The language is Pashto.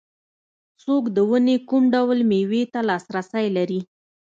څوک د ونې کوم ډول مېوې ته لاسرسی لري.